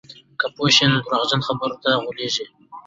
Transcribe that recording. که پوه شو، نو درواغجنو خبرو ته غولېږو.